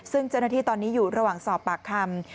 ซึ่งเจ้าหน้าที่ตอนนี้อยู่ระหว่างสอบปากคำ